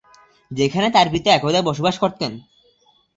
যেখানে তার পিতা একদা বসবাস করতেন।